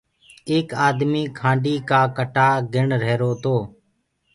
ايڪ آدميٚ کآنڊي ڪآ ڪٽآ گِڻ رهيرو تو۔